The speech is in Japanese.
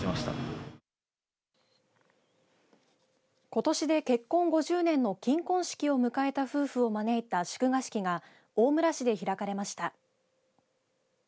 ことしで結婚５０年の金婚式を迎えた夫婦を招いた祝賀式が大村市でかれました。